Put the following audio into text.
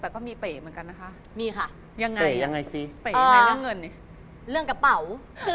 แต่ก็มีเป๊ะเหมือนกันนะคะ